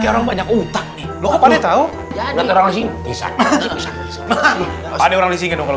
kayak orang banyak utak lo pada tahu jadi orang disini bisa bisa orang disini kalau